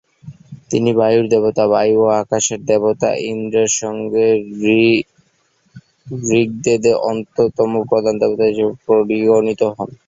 তিনি বায়ুর দেবতা বায়ু ও আকাশের দেবতা ইন্দ্রের সঙ্গে ঋগ্বেদে অন্যতম প্রধান দেবতা হিসেবে পরিগণিত হন।